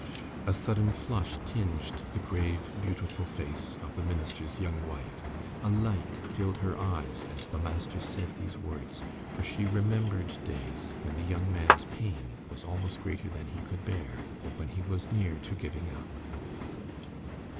A sudden flush tinged the grave, beautiful face of the minister's young wife. A light filled her eyes as the master said these words, for she remembered days when the young man's pain was almost greater than he could bear, and when he was near to giving up.